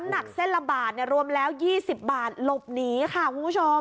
หนักเส้นละบาทรวมแล้ว๒๐บาทหลบหนีค่ะคุณผู้ชม